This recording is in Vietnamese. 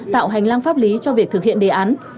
tạo hành lang pháp lý cho việc thực hiện đề án